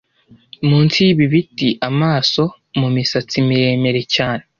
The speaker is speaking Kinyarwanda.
munsi yibi biti amaso mumisatsi miremire cyane